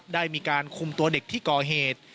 ได้มีการคุมตัวเด็กที่ก่อเหตุ